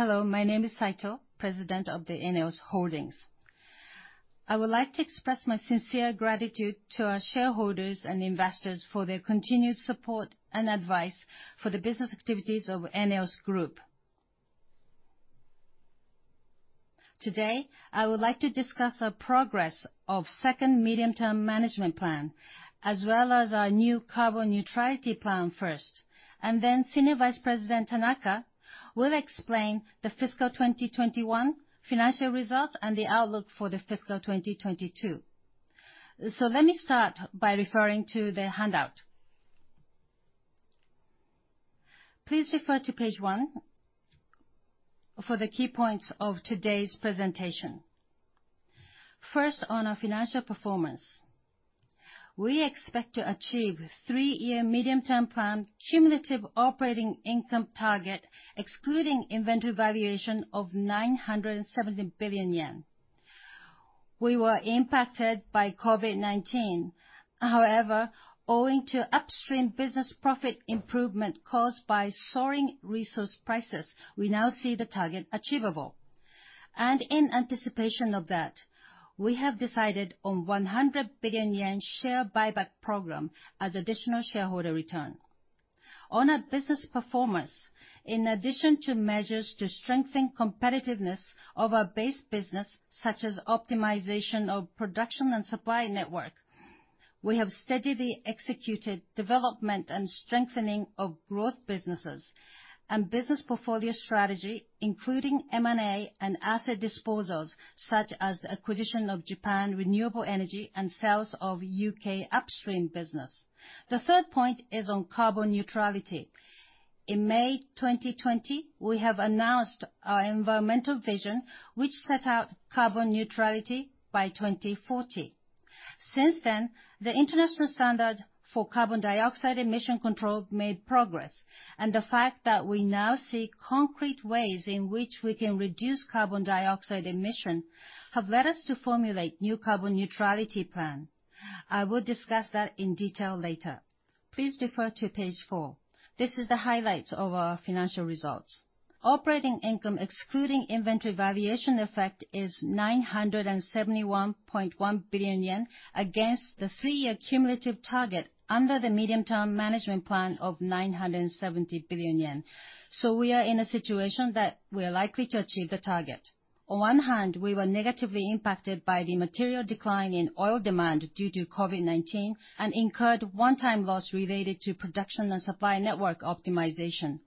Hello. My name is Saito, President of ENEOS Holdings. I would like to express my sincere gratitude to our shareholders and investors for their continued support and advice for the business activities of ENEOS Group. Today, I would like to discuss our progress of second medium-term management plan, as well as our new carbon neutrality plan first, and then Senior Vice President Tanaka will explain the fiscal 2021 financial results and the outlook for the fiscal 2022. Let me start by referring to the handout. Please refer to page 1 for the key points of today's presentation. First, on our financial performance. We expect to achieve three-year medium-term plan cumulative operating income target, excluding inventory valuation of 970 billion yen. We were impacted by COVID-19. However, owing to upstream business profit improvement caused by soaring resource prices, we now see the target achievable. In anticipation of that, we have decided on 100 billion yen share buyback program as additional shareholder return. On our business performance, in addition to measures to strengthen competitiveness of our base business, such as optimization of production and supply network, we have steadily executed development and strengthening of growth businesses and business portfolio strategy, including M&A and asset disposals, such as acquisition of Japan Renewable Energy and sales of U.K. upstream business. The third point is on carbon neutrality. In May 2020, we have announced our environmental vision, which set out carbon neutrality by 2040. Since then, the international standard for carbon dioxide emission control made progress, and the fact that we now see concrete ways in which we can reduce carbon dioxide emission have led us to formulate new carbon neutrality plan. I will discuss that in detail later. Please refer to page 4. This is the highlights of our financial results. Operating income excluding inventory valuation effect is 971.1 billion yen against the three-year cumulative target under the medium-term management plan of 970 billion yen. We are in a situation that we are likely to achieve the target. On one hand, we were negatively impacted by the material decline in oil demand due to COVID-19 and incurred one-time loss related to production and supply network optimization.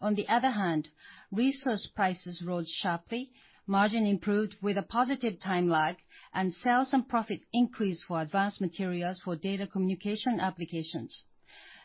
On the other hand, resource prices rose sharply, margin improved with a positive time lag, and sales and profit increased for advanced materials for data communication applications.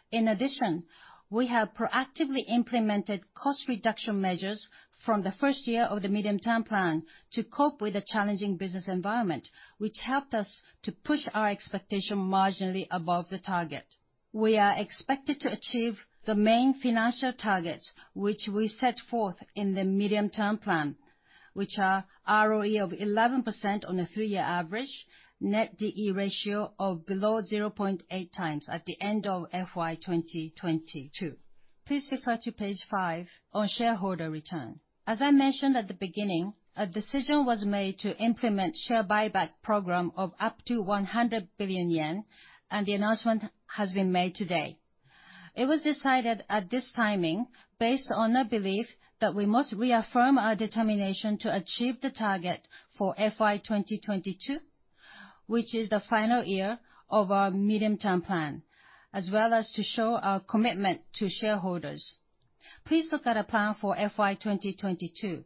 In addition, we have proactively implemented cost reduction measures from the first year of the medium-term plan to cope with the challenging business environment, which helped us to push our expectation marginally above the target. We are expected to achieve the main financial targets which we set forth in the medium-term plan, which are ROE of 11% on a three-year average, net D/E ratio of below 0.8 times at the end of FY 2022. Please refer to page 5 on shareholder return. As I mentioned at the beginning, a decision was made to implement share buyback program of up to 100 billion yen, and the announcement has been made today. It was decided at this timing based on a belief that we must reaffirm our determination to achieve the target for FY 2022, which is the final year of our medium-term plan, as well as to show our commitment to shareholders. Please look at our plan for FY 2022.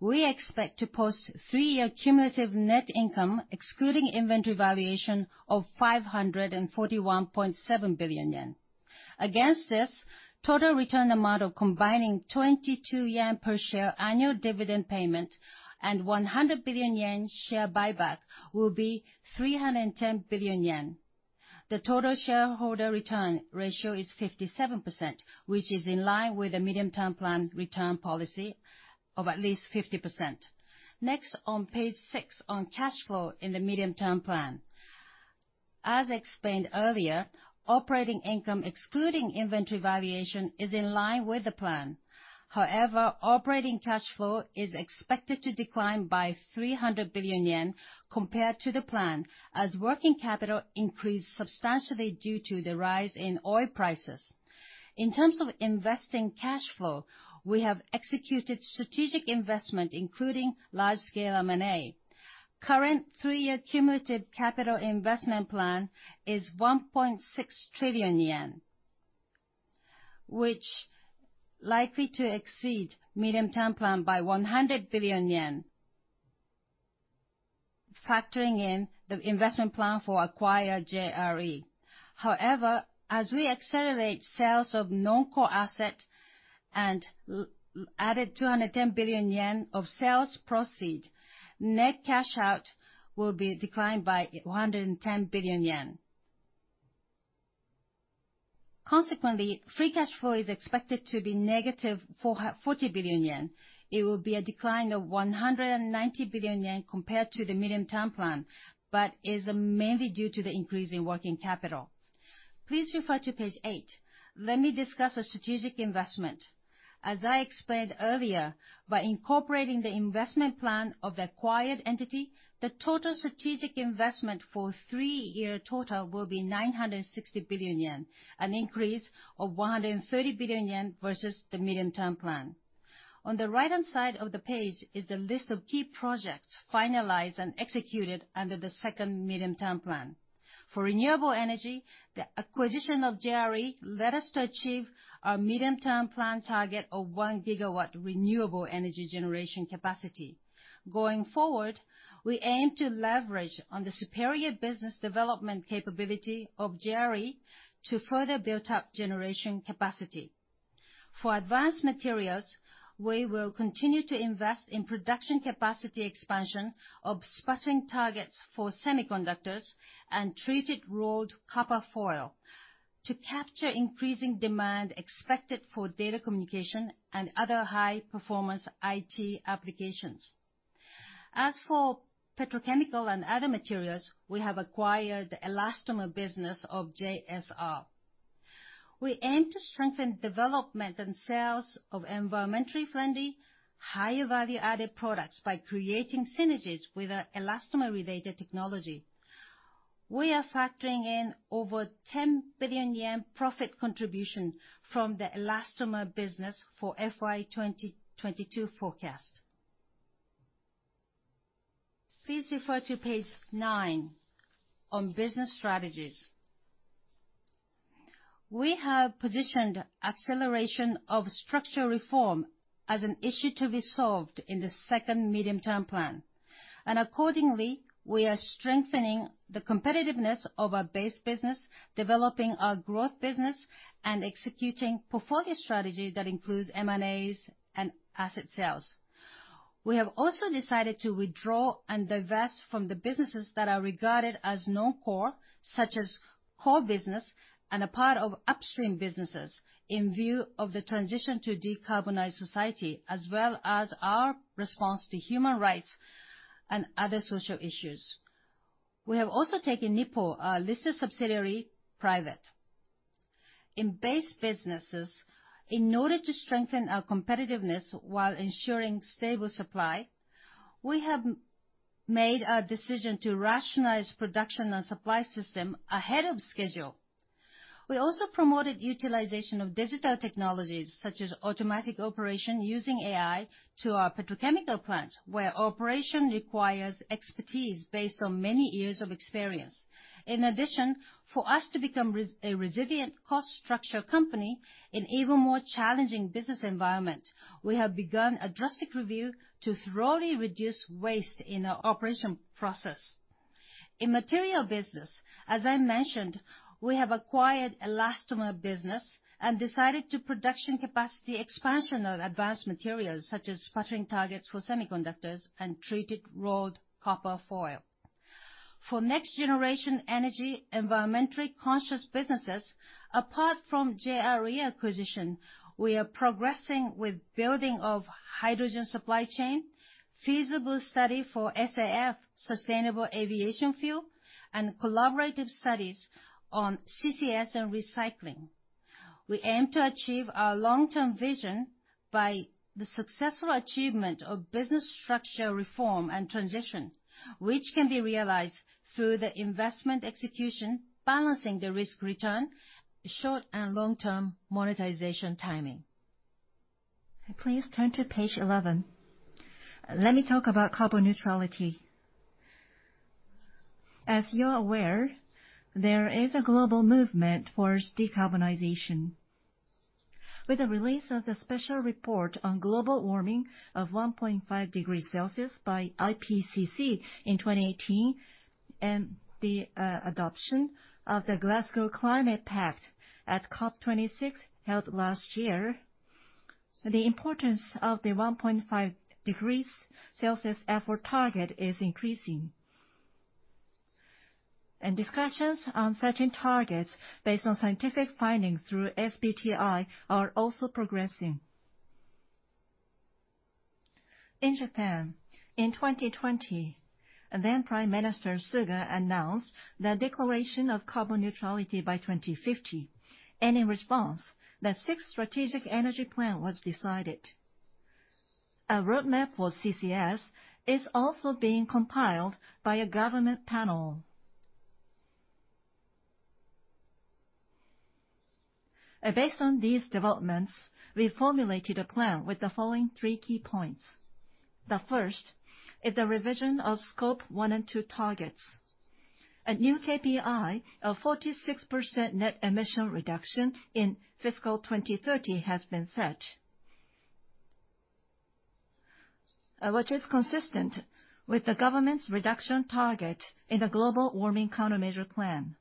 We expect to post three-year cumulative net income excluding inventory valuation of 541.7 billion yen. Against this, total return amount of combining 22 yen per share annual dividend payment and 100 billion yen share buyback will be 310 billion yen. The total shareholder return ratio is 57%, which is in line with the medium-term plan return policy of at least 50%. Next, on page 6 on cash flow in the medium-term plan. As explained earlier, operating income excluding inventory valuation is in line with the plan. However, operating cash flow is expected to decline by 300 billion yen compared to the plan, as working capital increased substantially due to the rise in oil prices. In terms of investing cash flow, we have executed strategic investment, including large-scale M&A. Current three-year cumulative capital investment plan is 1.6 trillion yen, which is likely to exceed medium-term plan by 100 billion yen factoring in the investment plan for acquiring JRE. However, as we accelerate sales of non-core asset and we added 210 billion yen of sales proceeds, net cash out will be declined by 110 billion yen. Consequently, free cash flow is expected to be -40 billion yen. It will be a decline of 190 billion yen compared to the medium-term plan, but is mainly due to the increase in working capital. Please refer to page 8. Let me discuss the strategic investment. As I explained earlier, by incorporating the investment plan of the acquired entity, the total strategic investment for three-year total will be 960 billion yen, an increase of 130 billion yen versus the medium-term plan. On the right-hand side of the page is the list of key projects finalized and executed under the second medium-term plan. For renewable energy, the acquisition of JRE led us to achieve our medium-term plan target of 1 GW renewable energy generation capacity. Going forward, we aim to leverage on the superior business development capability of JRE to further build up generation capacity. For advanced materials, we will continue to invest in production capacity expansion of sputtering targets for semiconductors and Treated Rolled Copper Foil to capture increasing demand expected for data communication and other high performance IT applications. As for petrochemical and other materials, we have acquired the elastomer business of JSR. We aim to strengthen development and sales of environmentally friendly, higher value-added products by creating synergies with our elastomer related technology. We are factoring in over 10 billion yen profit contribution from the elastomer business for FY 2022 forecast. Please refer to page 9 on business strategies. We have positioned acceleration of structural reform as an issue to be solved in the second medium-term plan. Accordingly, we are strengthening the competitiveness of our base business, developing our growth business, and executing portfolio strategy that includes M&As and asset sales. We have also decided to withdraw and divest from the businesses that are regarded as non-core, such as coal business and a part of upstream businesses, in view of the transition to decarbonized society, as well as our response to human rights and other social issues. We have also taken NIPPO, our listed subsidiary, private. In base businesses, in order to strengthen our competitiveness while ensuring stable supply, we have made a decision to rationalize production and supply system ahead of schedule. We also promoted utilization of digital technologies, such as automatic operation using AI in our petrochemical plants, where operation requires expertise based on many years of experience. In addition, for us to become a resilient cost structure company in even more challenging business environment, we have begun a drastic review to thoroughly reduce waste in our operation process. In material business, as I mentioned, we have acquired elastomer business and decided on production capacity expansion of advanced materials, such as sputtering targets for semiconductors and treated rolled copper foil. For next generation energy, environmentally conscious businesses, apart from JRE acquisition, we are progressing with building of hydrogen supply chain, feasibility study for SAF, sustainable aviation fuel, and collaborative studies on CCS and recycling. We aim to achieve our long-term vision by the successful achievement of business structure reform and transition, which can be realized through the investment execution, balancing the risk return, short and long-term monetization timing. Please turn to page 11. Let me talk about carbon neutrality. As you are aware, there is a global movement towards decarbonization. With the release of the special report on global warming of 1.5 degrees Celsius by IPCC in 2018, and the adoption of the Glasgow Climate Pact at COP26 held last year, the importance of the 1.5 degrees Celsius effort target is increasing. Discussions on setting targets based on scientific findings through SBTi are also progressing. In Japan, in 2020, then Prime Minister Suga announced the declaration of carbon neutrality by 2050, and in response, the Sixth Strategic Energy Plan was decided. A roadmap for CCS is also being compiled by a government panel. Based on these developments, we formulated a plan with the following three key points. The first is the revision of Scope 1 and 2 targets. A new KPI of 46% net emission reduction in fiscal 2030 has been set, which is consistent with the government's reduction target in the Plan for Global Warming Countermeasures.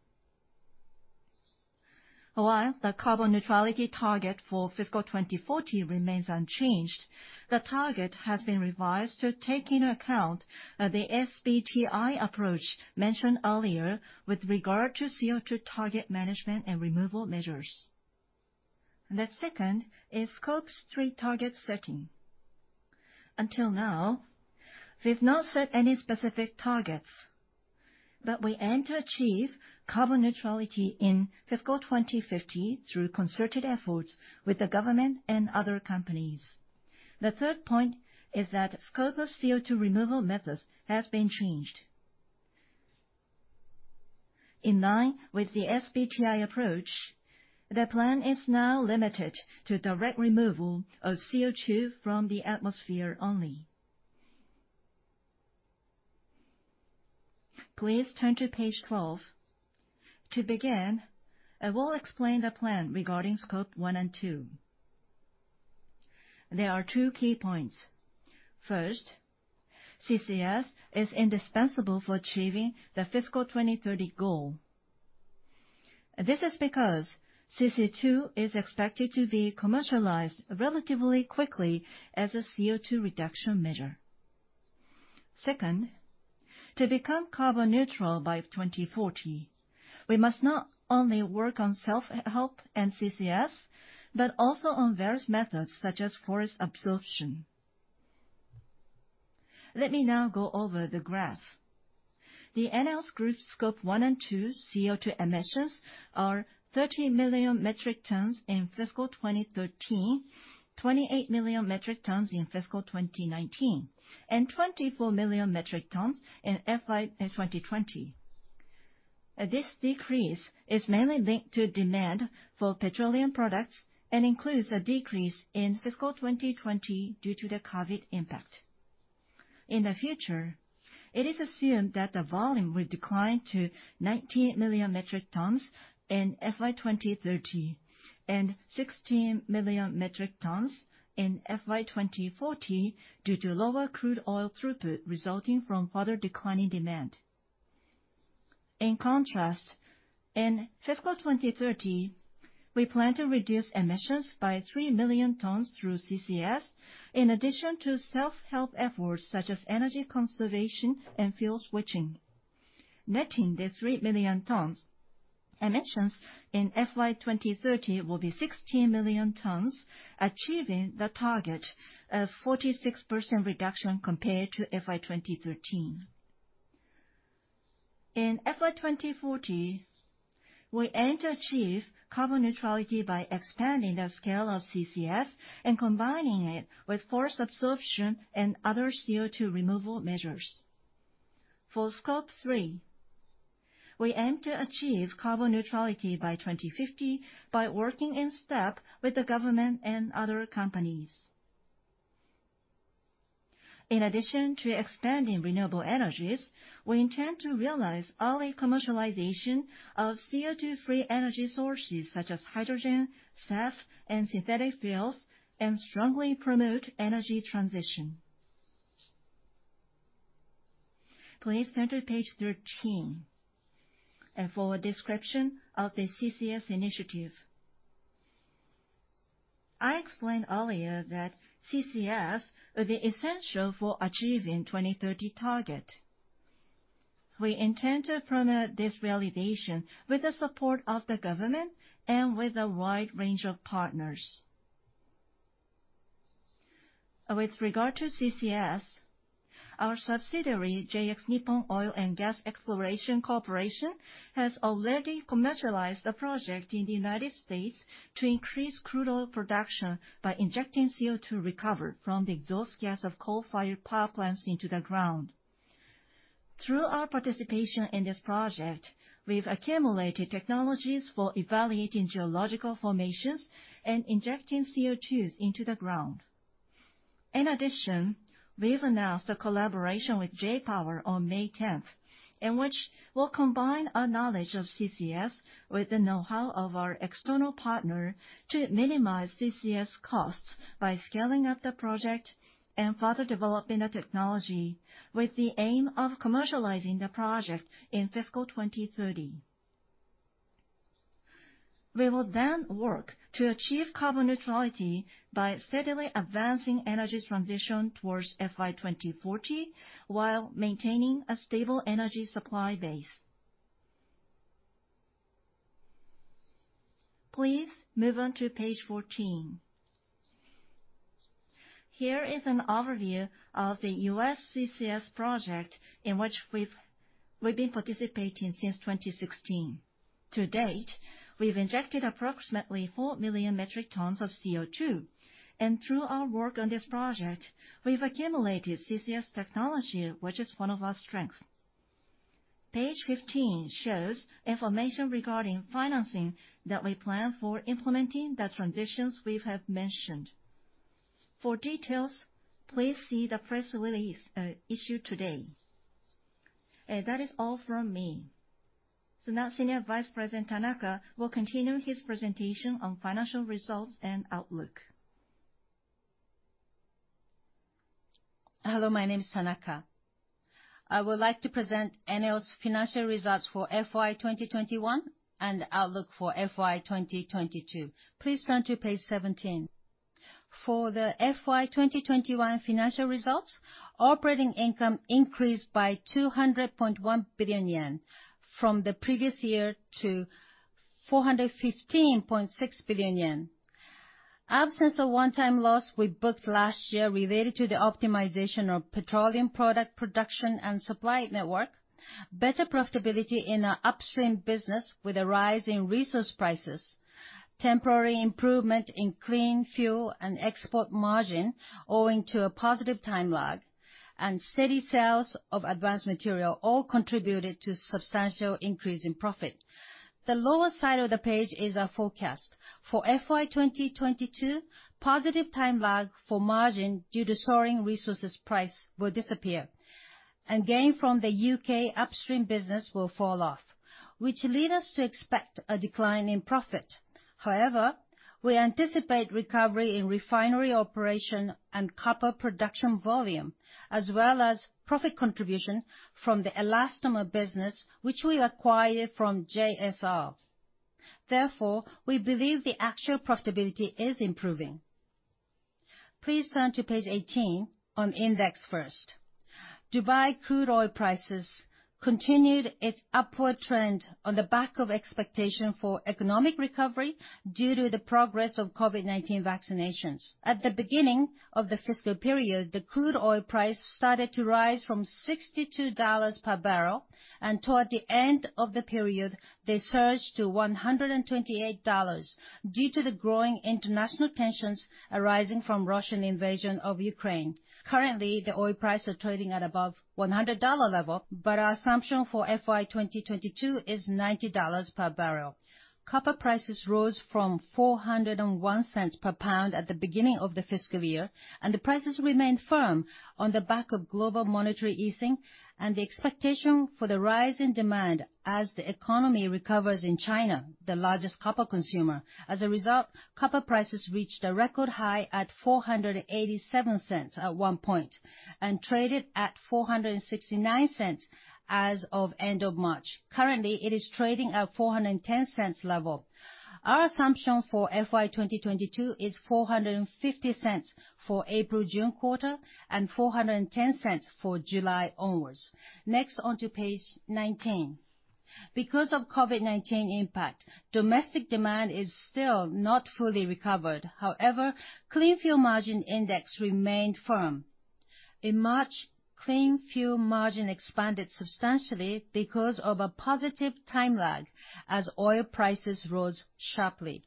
While the carbon neutrality target for fiscal 2040 remains unchanged, the target has been revised to take into account the SBTi approach mentioned earlier with regard to CO2 target management and removal measures. The second is Scope 3 target setting. Until now, we've not set any specific targets, but we aim to achieve carbon neutrality in fiscal 2050 through concerted efforts with the government and other companies. The third point is that scope of CO2 removal methods has been changed. In line with the SBTi approach, the plan is now limited to direct removal of CO2 from the atmosphere only. Please turn to page 12. To begin, I will explain the plan regarding Scope 1 and 2. There are two key points. First, CCS is indispensable for achieving the fiscal 2030 goal. This is because CCS is expected to be commercialized relatively quickly as a CO2 reduction measure. Second, to become carbon neutral by 2040, we must not only work on self-help and CCS, but also on various methods such as forest absorption. Let me now go over the graph. The ENEOS Group Scope 1 and 2 CO2 emissions are 30 million metric tons in fiscal 2013, 28 million metric tons in fiscal 2019, and 24 million metric tons in FY 2020. This decrease is mainly linked to demand for petroleum products and includes a decrease in fiscal 2020 due to the COVID impact. In the future, it is assumed that the volume will decline to 19 million metric tons in FY 2030 and 16 million metric tons in FY 2040 due to lower crude oil throughput resulting from further declining demand. In contrast, in fiscal 2030, we plan to reduce emissions by 3 million tons through CCS, in addition to self-help efforts such as energy conservation and fuel switching. Netting the 3 million tons, emissions in FY 2030 will be 16 million tons, achieving the target of 46% reduction compared to FY 2013. In FY 2040, we aim to achieve carbon neutrality by expanding the scale of CCS and combining it with forest absorption and other CO2 removal measures. For Scope 3, we aim to achieve carbon neutrality by 2050 by working in step with the government and other companies. In addition to expanding renewable energies, we intend to realize early commercialization of CO2-free energy sources such as hydrogen, SAF, and synthetic fuels, and strongly promote energy transition. Please turn to page 13 for a description of the CCS initiative. I explained earlier that CCS will be essential for achieving 2030 target. We intend to promote this validation with the support of the government and with a wide range of partners. With regard to CCS, our subsidiary, JX Nippon Oil & Gas Exploration Corporation, has already commercialized the project in the United States to increase crude oil production by injecting CO2 recovered from the exhaust gas of coal-fired power plants into the ground. Through our participation in this project, we've accumulated technologies for evaluating geological formations and injecting CO2 into the ground. In addition, we've announced a collaboration with J-POWER on May 10, in which we'll combine our knowledge of CCS with the know-how of our external partner to minimize CCS costs by scaling up the project and further developing the technology with the aim of commercializing the project in fiscal 2030. We will then work to achieve carbon neutrality by steadily advancing energy transition towards FY 2040 while maintaining a stable energy supply base. Please move on to page 14. Here is an overview of the US CCS project in which we've been participating since 2016. To date, we've injected approximately 4 million metric tons of CO2. Through our work on this project, we've accumulated CCS technology, which is one of our strengths. Page 15 shows information regarding financing that we plan for implementing the transitions we have mentioned. For details, please see the press release issued today. That is all from me. Now Senior Vice President Tanaka will continue his presentation on financial results and outlook. Hello, my name is Tanaka. I would like to present ENEOS financial results for FY 2021 and outlook for FY 2022. Please turn to page 17. For the FY 2021 financial results, operating income increased by 200.1 billion yen from the previous year to 415.6 billion yen. Absence of one-time loss we booked last year related to the optimization of petroleum product production and supply network, better profitability in our upstream business with a rise in resource prices, temporary improvement in clean fuel and export margin owing to a positive time lag, and steady sales of advanced material all contributed to substantial increase in profit. The lower side of the page is our forecast. For FY 2022, positive time lag for margin due to soaring resources price will disappear, and gain from the U.K. upstream business will fall off, which lead us to expect a decline in profit. However, we anticipate recovery in refinery operation and copper production volume, as well as profit contribution from the Elastomers Business, which we acquired from JSR. Therefore, we believe the actual profitability is improving. Please turn to page 18 on index first. Dubai crude oil prices continued its upward trend on the back of expectation for economic recovery due to the progress of COVID-19 vaccinations. At the beginning of the fiscal period, the crude oil price started to rise from $62 per barrel, and toward the end of the period, they surged to $128 due to the growing international tensions arising from Russian invasion of Ukraine. Currently, the oil price is trading at above $100 level, but our assumption for FY 2022 is $90 per barrel. Copper prices rose from $4.01 per pound at the beginning of the fiscal year, and the prices remained firm on the back of global monetary easing and the expectation for the rise in demand as the economy recovers in China, the largest copper consumer. As a result, copper prices reached a record high at $4.87 at one point and traded at $4.69 as of end of March. Currently, it is trading at $4.10 level. Our assumption for FY 2022 is $4.50 for April-June quarter and $4.10 for July onwards. Next, on to page 19. Because of COVID-19 impact, domestic demand is still not fully recovered. However, clean fuel margin index remained firm. In March, clean fuel margin expanded substantially because of a positive time lag as oil prices rose sharply.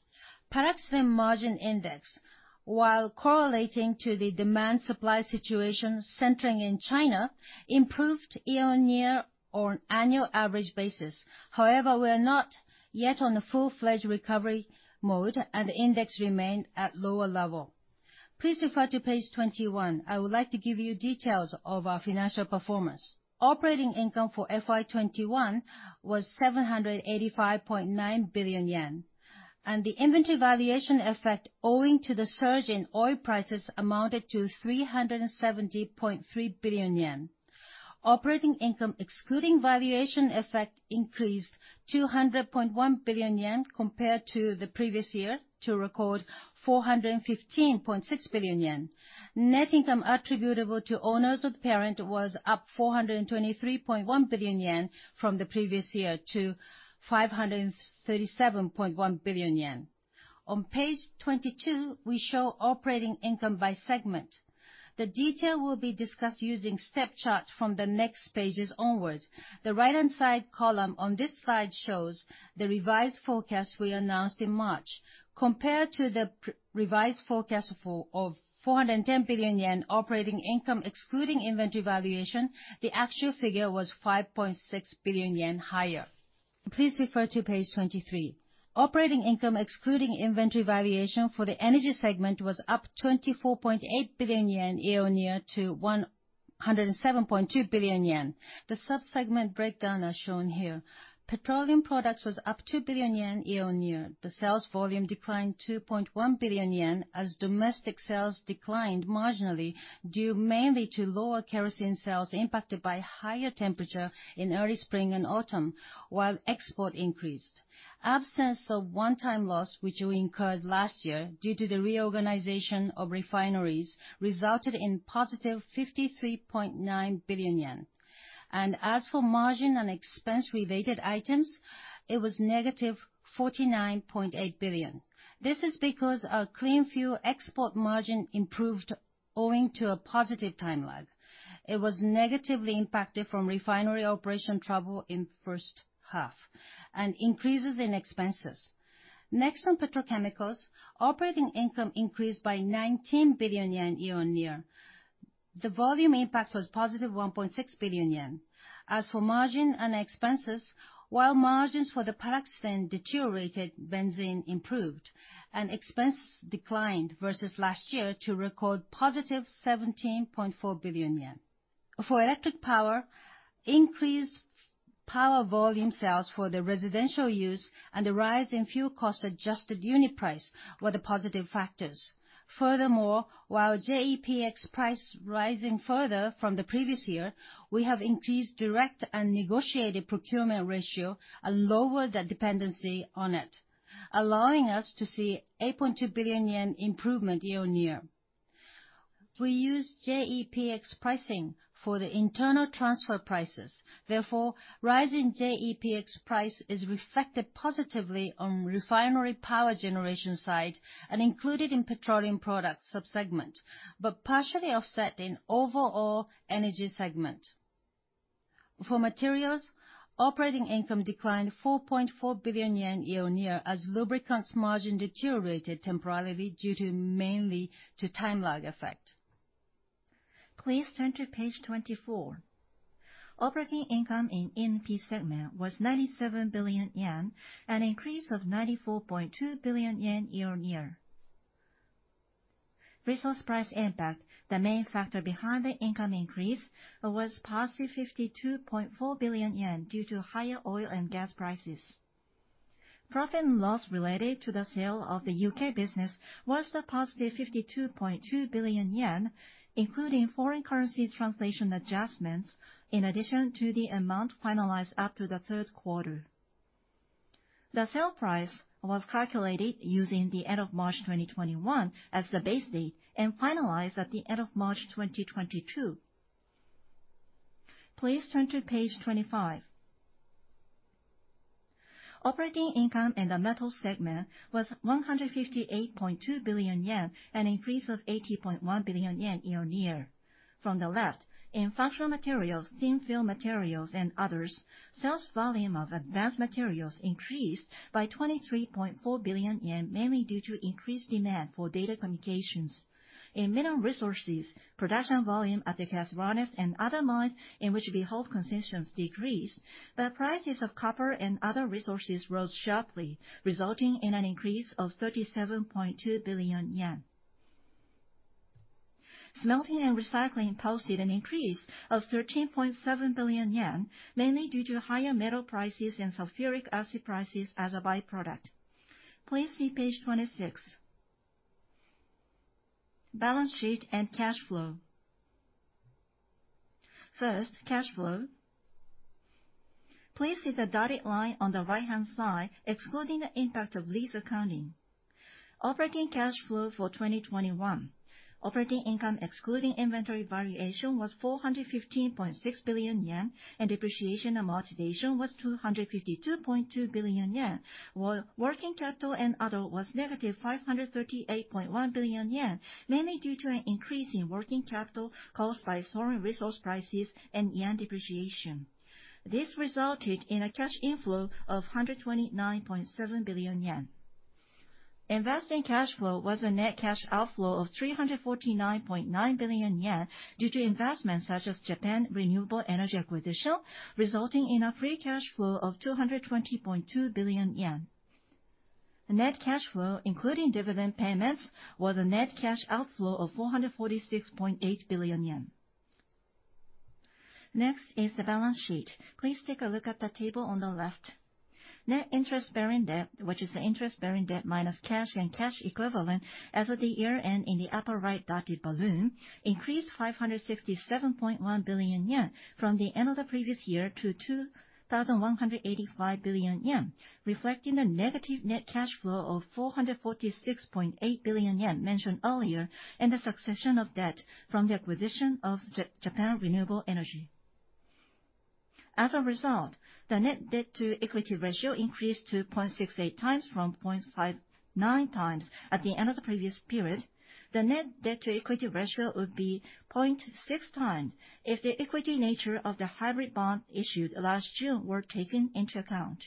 Paraxylene margin index, while correlating to the demand supply situation centering in China, improved year-on-year on annual average basis. However, we're not yet on a full-fledged recovery mode, and the index remained at lower level. Please refer to page 21. I would like to give you details of our financial performance. Operating income for FY 2021 was 785.9 billion yen, and the inventory valuation effect owing to the surge in oil prices amounted to 370.3 billion yen. Operating income, excluding valuation effect, increased 200.1 billion yen compared to the previous year to record 415.6 billion yen. Net income attributable to owners of the parent was up 423.1 billion yen from the previous year to 537.1 billion yen. On page 22, we show operating income by segment. The detail will be discussed using step chart from the next pages onwards. The right-hand side column on this slide shows the revised forecast we announced in March. Compared to the revised forecast of 410 billion yen operating income excluding inventory valuation, the actual figure was 5.6 billion yen higher. Please refer to page 23. Operating income excluding inventory valuation for the energy segment was up 24.8 billion yen year-on-year to 107.2 billion yen. The sub-segment breakdown are shown here. Petroleum products was up 2 billion yen year-on-year. The sales volume declined 2.1 billion yen as domestic sales declined marginally due mainly to lower kerosene sales impacted by higher temperature in early spring and autumn, while export increased. Absence of one-time loss which we incurred last year due to the reorganization of refineries resulted in +53.9 billion yen. As for margin and expense-related items, it was -49.8 billion. This is because our clean fuel export margin improved owing to a positive time lag. It was negatively impacted from refinery operation trouble in first half and increases in expenses. Next, on petrochemicals, operating income increased by 19 billion yen year-on-year. The volume impact was +1.6 billion yen. As for margin and expenses, while margins for the paraxylene deteriorated, benzene improved, and expense declined versus last year to record +17.4 billion yen. For electric power, increased power volume sales for the residential use and the rise in fuel cost adjusted unit price were the positive factors. Furthermore. While JEPX price rising further from the previous year, we have increased direct and negotiated procurement ratio and lowered the dependency on it, allowing us to see 8.2 billion yen improvement year-on-year. We use JEPX pricing for the internal transfer prices, therefore rising JEPX price is reflected positively on refinery power generation side and included in petroleum products sub-segment, but partially offset in overall energy segment. For materials, operating income declined 4.4 billion yen year-on-year as lubricants margin deteriorated temporarily due mainly to time lag effect. Please turn to page 24. Operating income in E&P segment was 97 billion yen, an increase of 94.2 billion yen year-on-year. Resource price impact, the main factor behind the income increase, was +52.4 billion yen due to higher oil and gas prices. Profit and loss related to the sale of the U.K. business was the +52.2 billion yen, including foreign currency translation adjustments, in addition to the amount finalized up to the third quarter. The sale price was calculated using the end of March 2021 as the base date and finalized at the end of March 2022. Please turn to page 25. Operating income in the metal segment was 158.2 billion yen, an increase of 80.1 billion yen year-on-year. From the left, in functional materials, thin-film materials, and others, sales volume of advanced materials increased by 23.4 billion yen, mainly due to increased demand for data communications. In mineral resources, production volume at the Caserones and other mines in which we hold concessions decreased, but prices of copper and other resources rose sharply, resulting in an increase of 37.2 billion yen. Smelting and recycling posted an increase of 13.7 billion yen, mainly due to higher metal prices and sulfuric acid prices as a by-product. Please see page 26. Balance sheet and cash flow. First, cash flow. Please see the dotted line on the right-hand side, excluding the impact of lease accounting. Operating cash flow for 2021. Operating income excluding inventory valuation was 415.6 billion yen, and depreciation and amortization was 252.2 billion yen, while working capital and other was -538.1 billion yen, mainly due to an increase in working capital caused by soaring resource prices and yen depreciation. This resulted in a cash inflow of 129.7 billion yen. Investing cash flow was a net cash outflow of 349.9 billion yen due to investments such as Japan Renewable Energy acquisition, resulting in a free cash flow of 220.2 billion yen. The net cash flow, including dividend payments, was a net cash outflow of 446.8 billion yen. Next is the balance sheet. Please take a look at the table on the left. Net interest-bearing debt, which is the interest-bearing debt minus cash and cash equivalent as of the year end in the upper right dotted balloon, increased 567.1 billion yen from the end of the previous year to 2,185 billion yen, reflecting the negative net cash flow of 446.8 billion yen mentioned earlier, and the succession of debt from the acquisition of Japan Renewable Energy. As a result, the net debt-to-equity ratio increased to 0.68 times from 0.59 times at the end of the previous period. The net debt-to-equity ratio would be 0.6 times if the equity nature of the hybrid bond issued last June were taken into account.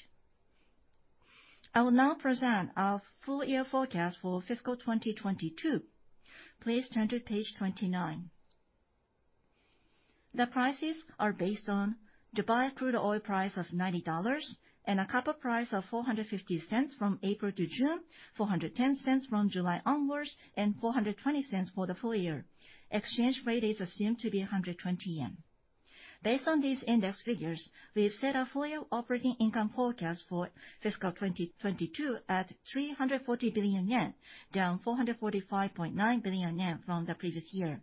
I will now present our full year forecast for fiscal 2022. Please turn to page 29. The prices are based on Dubai crude oil price of $90, and a copper price of $4.50 from April to June, $4.10 from July onwards, and $4.20 for the full year. Exchange rate is assumed to be 120 yen. Based on these index figures, we've set our full year operating income forecast for fiscal 2022 at 340 billion yen, down 445.9 billion yen from the previous year.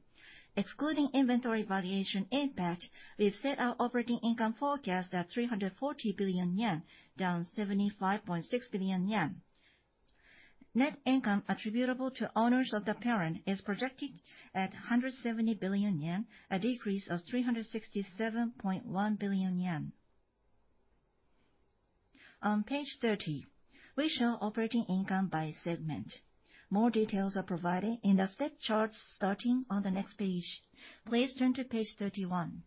Excluding inventory valuation impact, we've set our operating income forecast at 340 billion yen, down 75.6 billion yen. Net income attributable to owners of the parent is projected at 170 billion yen, a decrease of 367.1 billion yen. On page 30, we show operating income by segment. More details are provided in the said charts starting on the next page. Please turn to page 31.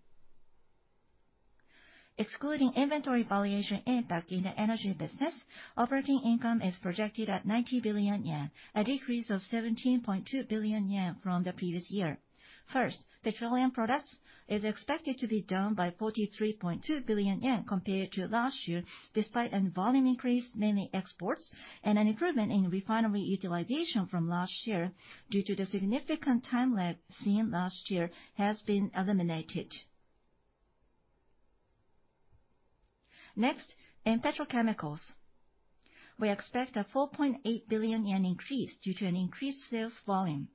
Excluding inventory valuation impact in the energy business, operating income is projected at 90 billion yen, a decrease of 17.2 billion yen from the previous year. First, petroleum products is expected to be down by 43.2 billion yen compared to last year, despite a volume increase, mainly exports, and an improvement in refinery utilization from last year due to the significant time lag seen last year has been eliminated. Next, in petrochemicals, we expect a 4.8 billion yen increase due to an increased sales volume.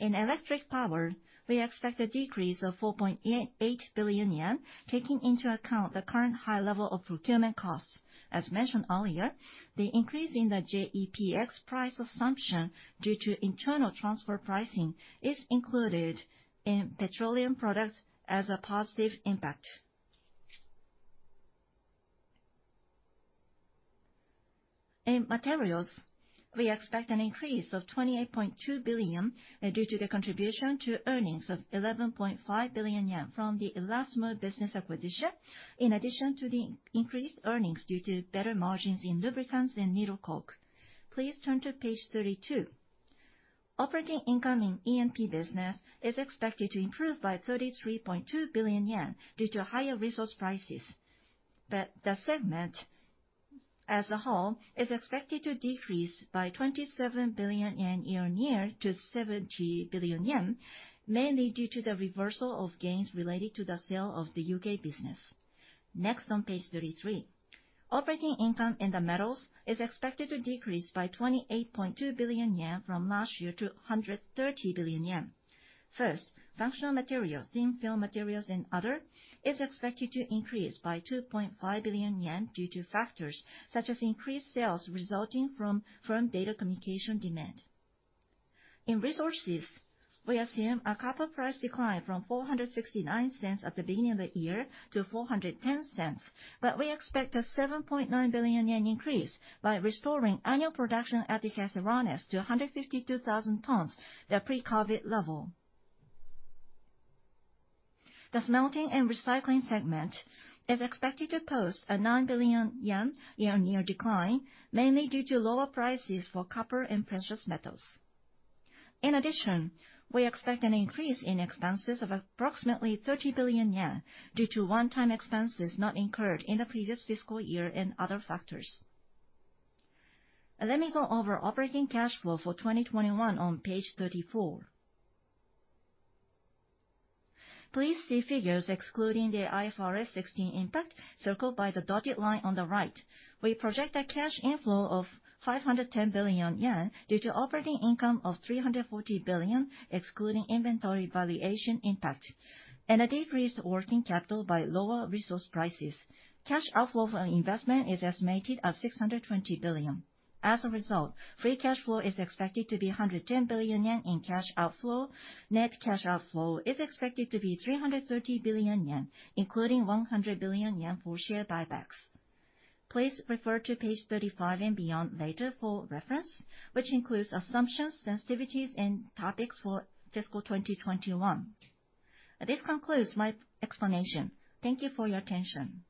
In electric power, we expect a decrease of 4.8 billion yen, taking into account the current high level of procurement costs. As mentioned earlier, the increase in the JEPX price assumption due to internal transfer pricing is included in petroleum products as a positive impact. In materials, we expect an increase of 28.2 billion due to the contribution to earnings of 11.5 billion yen from the Elastomers business acquisition, in addition to the increased earnings due to better margins in lubricants and needle coke. Please turn to page 32. Operating income in E&P business is expected to improve by 33.2 billion yen due to higher resource prices. The segment as a whole is expected to decrease by 27 billion yen year-on-year to 70 billion yen, mainly due to the reversal of gains related to the sale of the U.K. business. Next on page 33. Operating income in the metals is expected to decrease by 28.2 billion yen from last year to 130 billion yen. First, functional materials, thin film materials and other, is expected to increase by 2.5 billion yen due to factors such as increased sales resulting from firm data communication demand. In resources, we assume a copper price decline from $4.69 at the beginning of the year to $4.10, but we expect a 7.9 billion yen increase by restoring annual production at Caserones to 152,000 tons, the pre-COVID level. The smelting and recycling segment is expected to post a 9 billion yen year-on-year decline, mainly due to lower prices for copper and precious metals. In addition, we expect an increase in expenses of approximately 30 billion yen due to one-time expenses not incurred in the previous fiscal year and other factors. Let me go over operating cash flow for 2021 on page 34. Please see figures excluding the IFRS 16 impact circled by the dotted line on the right. We project a cash inflow of 510 billion yen due to operating income of 340 billion, excluding inventory valuation impact, and a decreased working capital by lower resource prices. Cash outflow from investment is estimated at 620 billion. As a result, free cash flow is expected to be 110 billion yen in cash outflow. Net cash outflow is expected to be 330 billion yen, including 100 billion yen for share buybacks. Please refer to page 35 and beyond later for reference, which includes assumptions, sensitivities, and topics for fiscal 2021. This concludes my explanation. Thank you for your attention.